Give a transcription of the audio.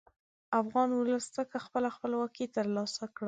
افغان ولس څنګه خپله خپلواکي تر لاسه کړه.